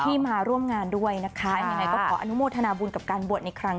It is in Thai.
ที่มาร่วมงานด้วยนะคะ